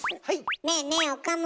ねえねえ岡村。